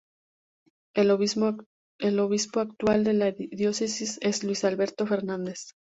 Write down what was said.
El obispo actual de la diócesis es Luis Alberto Fernández.